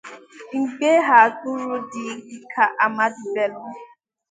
mgbe ha gburu ndị dịka Ahmadu Bello